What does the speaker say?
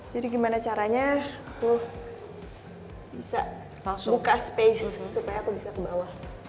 jadi gimana caranya aku bisa buka space supaya aku bisa ke bawah